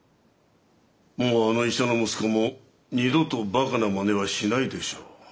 もうあの医者の息子も二度とばかなまねはしないでしょう。